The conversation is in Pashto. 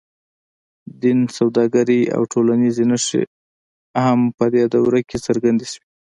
دین، سوداګري او ټولنیزې نښې هم په دې دوره کې څرګندې شوې.